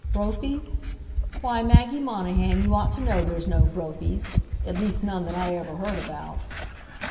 Brophy's? Why, Maggie Monahan, you ought to know there's no Brophy's. At least none that I ever heard about.